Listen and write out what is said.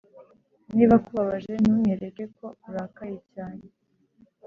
niba akubabaje ntumwereke ko urakaye cyane